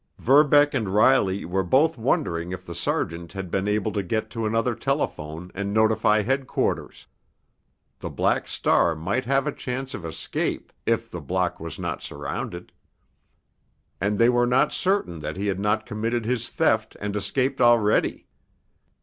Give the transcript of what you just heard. Verbeck and Riley were both wondering if the sergeant had been able to get to another telephone and notify headquarters. The Black Star might have a chance of escape if the block was not surrounded. And they were not certain that he had not committed his theft and escaped already.